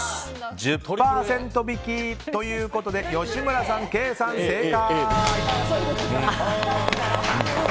１０％引きということで吉村さん、ケイさん正解。